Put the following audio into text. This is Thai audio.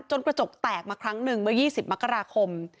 กระจกแตกมาครั้งหนึ่งเมื่อ๒๐มกราคม